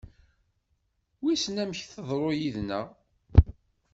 Wissen amek teḍru yid-neɣ?